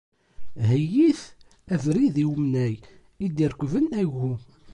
Heyyit abrid i umnay i d-irekben agu.